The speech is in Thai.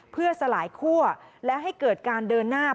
เพื่อสลายคั่วและให้เกิดการเดินหน้า